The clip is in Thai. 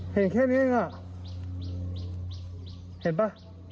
เห็นแค่นี้เองอ่ะเห็นป่ะ